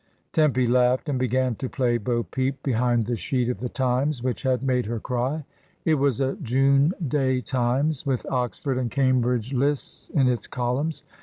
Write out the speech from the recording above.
Tempy laughed, and began to play bo peep be hind the sheet of the Tinus which had made her cry; it was a June day Times, with Oxford and i8» 276 MRS. DYMOND. Cambridge lists in its columns.